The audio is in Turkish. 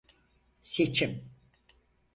Seçim.